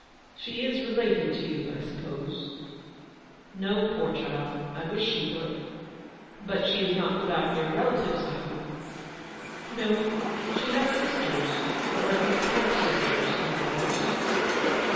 She is related to you, I suppose ?"" No, poor child ! I wish she were." " But she is not without near relatives, I hope ?"" No, she has sisters — or at least half sisters — and brothers."